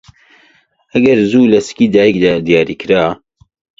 ئەگەر زوو لەسکی دایکدا دیاریکرا